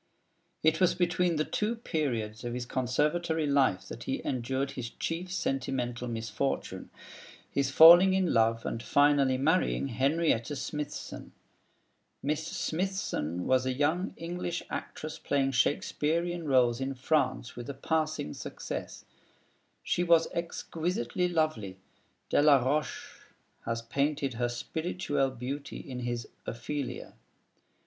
It was between the two periods of his Conservatory life that he endured his chief sentimental misfortune, his falling in love with and finally marrying Henrietta Smithson. Miss Smithson was a young English actress playing Shakespearean roles in France with a passing success. She was exquisitely lovely Delaroche has painted her spirituelle beauty in his 'Ophelia.'